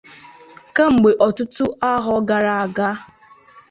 Kemgbe ọtụtụ ahọ gara aga